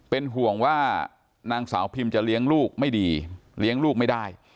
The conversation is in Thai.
เป็นห่วงว่านางสาวพิมจะเลี้ยงลูกไม่ดีเลี้ยงลูกไม่ได้